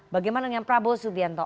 bagaimana dengan prabowo subianto